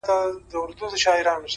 • څنگه بيلتون كي گراني شعر وليكم ـ